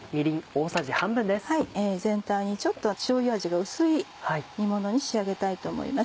全体にちょっとしょうゆ味が薄い煮ものに仕上げたいと思います。